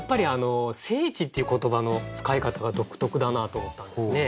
「聖地」っていう言葉の使い方が独特だなと思ったんですね。